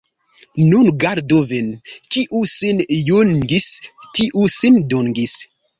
Nun gardu vin: kiu sin jungis, tiu sin dungis.